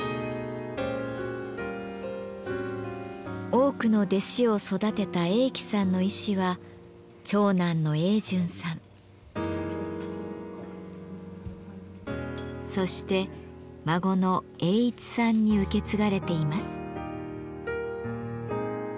多くの弟子を育てた栄喜さんの遺志は長男の栄順さんそして孫の栄市さんに受け継がれています。